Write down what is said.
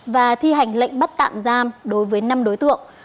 và thi hành lệnh bắt tạm giam đối với năm đối tượng